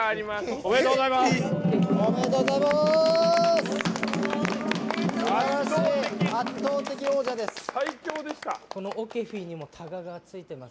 おめでとうございます。